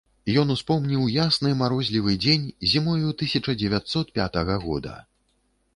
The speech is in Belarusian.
Ён успомніў ясны марозлівы дзень зімою тысяча дзевяцьсот пятага года.